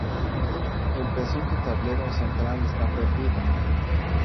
El presunto tablero central está perdido.